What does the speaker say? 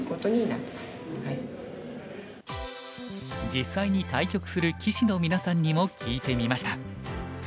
実際に対局する棋士のみなさんにも聞いてみました。